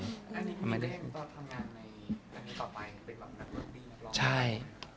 อันนี้คือเธอทำงานในอันนี้ต่อไปเป็นหลักนักบริเวณร้อนไหม